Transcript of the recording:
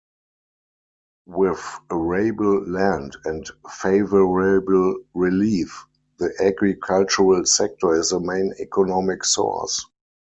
With arable land and favourable relief, the agricultural sector is the main economic source.